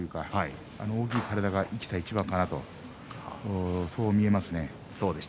あの大きな体が生きた一番かなといえますね。